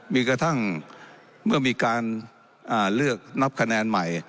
มีกระทั่งเมื่อมีการเลือกนับคะแนนใหม่